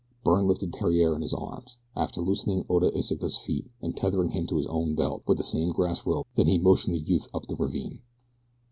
Byrne lifted Theriere in his arms, after loosening Oda Iseka's feet and tethering him to his own belt with the same grass rope; then he motioned the youth up the ravine.